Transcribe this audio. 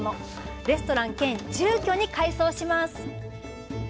レストラン兼、住居に改装します。